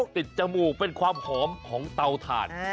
จมูกเป็นความหอมของเตาถ่าน